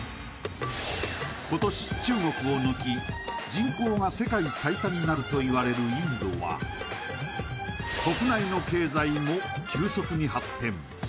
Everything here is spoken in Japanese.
今年中国を抜き人口が世界最多になるといわれるインドは国内の経済も急速に発展。